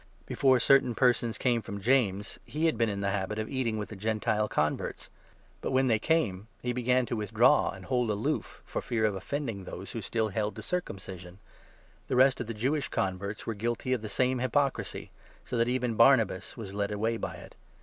Before certain persons came from James, he had 12 been in the habit of eating with the Gentile converts ; but, when they came, he began to withdraw and hold aloof, for fear of offending those who still held to circumcision. The 13 rest of the Jewish converts were guilty of the same hypocrisy, so that even Barnabas was led away by it.